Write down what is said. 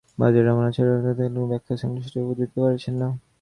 বাজারের এমন আচরণের তথ্যভিত্তিক কোনো ব্যাখ্যা সংশ্লিষ্ট ব্যক্তিরা দিতে পারছেন না।